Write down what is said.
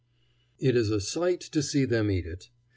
It is a sight to see them eat it.